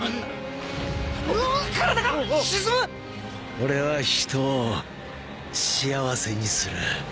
俺は人を幸せにする。